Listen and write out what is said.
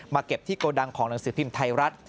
เก็บที่โกดังของหนังสือพิมพ์ไทยรัฐ